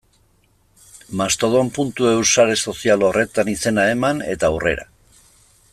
Mastodon.eus sare sozial horretan izena eman, eta aurrera.